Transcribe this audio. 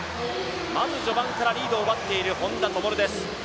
まず序盤からリードを奪っている本多です。